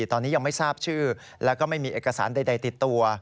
ตอนนี้ยังไม่ทราบชื่อแล้วก็ไม่มีเอกสารใดติดตัว